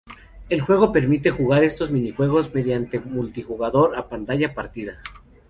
El juego permite jugar estos minijuegos mediante multijugador a pantalla partida.